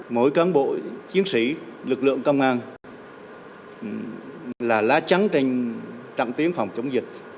mỗi cán bộ chiến sĩ lực lượng công an là lá trắng trên chặng tiếng phòng chống dịch